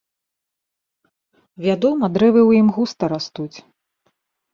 Вядома, дрэвы ў ім густа растуць.